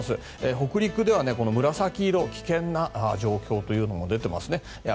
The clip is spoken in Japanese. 北陸では紫色、危険な状況というのが出てますね。